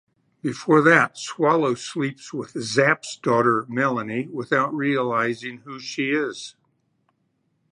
Before that, Swallow sleeps with Zapp's daughter Melanie, without realizing who she is.